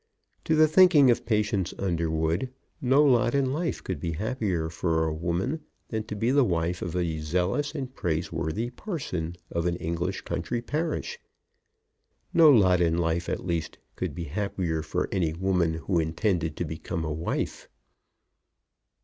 To the thinking of Patience Underwood, no lot in life could be happier for a woman than to be the wife of a zealous and praiseworthy parson of an English country parish; no lot in life, at least, could be happier for any woman who intended to become a wife.